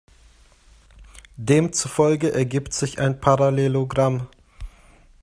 Demzufolge ergibt sich ein Parallelogramm.